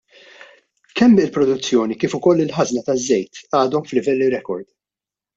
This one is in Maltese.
Kemm il-produzzjoni kif ukoll il-ħażna taż-żejt għadhom f'livelli rekord.